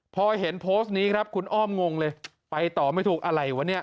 พอเห็นโพสต์นี้ครับคุณอ้อมงเลยไปต่อไม่ถูกอะไรวะเนี่ย